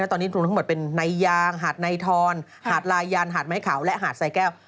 ตอนนี้รวมทั้งหมดเป็นในยางหาดในทอนหาดลายันหาดไม้ขาวและหาดสายแก้ว